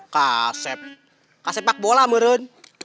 kasep kasep pak bola meren